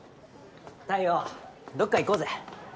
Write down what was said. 太陽どっか行こうぜ。